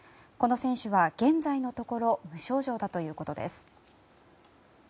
この選手は現在のところ無症状だということです。